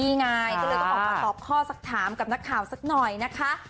ก็เลยก็ออกมาตอบข้อสักถามกับหนักข่าวสักหน่อยนะคะ